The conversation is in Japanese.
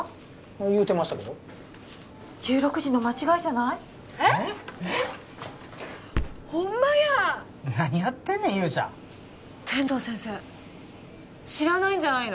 言うてましたけど１６時の間違いじゃない？えっ？ホンマや何やってんねん勇者天堂先生知らないんじゃないの？